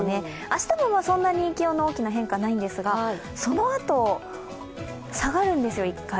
明日もそんなに気温の大きな変化はないんですが、そのあと、下がるんですよ、１回。